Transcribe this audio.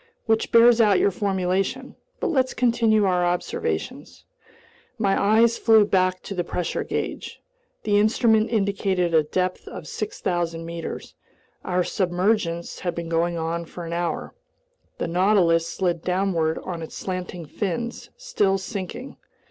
Which bears out your formulation. But let's continue our observations." My eyes flew back to the pressure gauge. The instrument indicated a depth of 6,000 meters. Our submergence had been going on for an hour. The Nautilus slid downward on its slanting fins, still sinking.